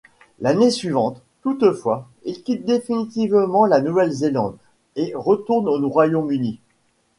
L'année suivante, toutefois, il quitte définitivement la Nouvelle-Zélande, et retourne au Royaume-Uni.